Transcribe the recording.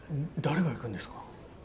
誰が行くんですか？